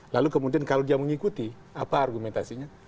lalu kemudian kalau dia mengikuti apa argumentasinya